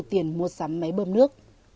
tiền mua sắm máy bơm nước